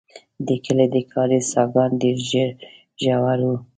د کلي د کاریز څاګان ډېر ژور وو.